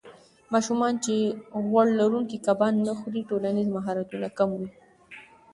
ماشومان چې غوړ لرونکي کبان نه خوري، ټولنیز مهارتونه کم وي.